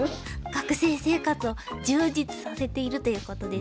学生生活を充実させているということですね。